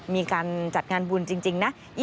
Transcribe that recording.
มีการจัดงานบุญจริงนะ